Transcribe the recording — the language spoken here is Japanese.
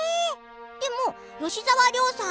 でも、吉沢亮さん